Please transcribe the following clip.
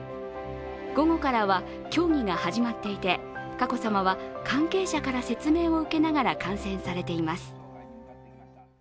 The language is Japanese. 午後からは競技が始まっていて、佳子さまは関係者から説明を受けながら観戦されています。